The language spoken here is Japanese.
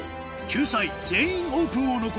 救済「全員オープン」を残し